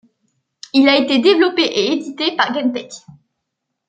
Il a été développé et édité par GameTek.